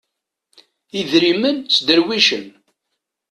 Idrimen sderwicen.